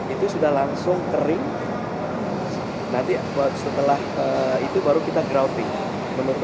itu sudah langsung kering nanti setelah itu baru kita grouting